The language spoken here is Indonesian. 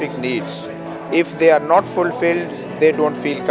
jika mereka tidak penuh mereka tidak merasa selesa